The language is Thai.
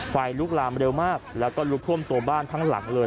ไฟลุกลามเร็วมากแล้วก็ลุกท่วมตัวบ้านทั้งหลังเลย